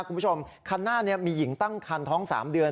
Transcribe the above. คุณผู้ชมคันหน้านี้มีหญิงตั้งคันท้อง๓เดือน